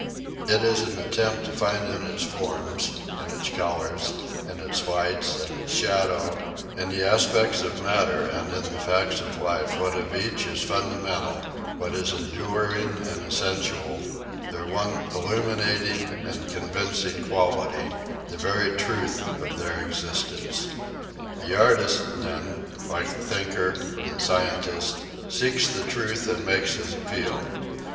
It is an attempt to find in its forms, in its colours, in its light, in its shadows, in the aspects of matter and in the facts of life what of each is fundamental, what is enduring and essential their one illuminating and convincing quality the very truth of their existence. The artist, then, like the thinker or the scientist, seeks the truth and makes his appeal.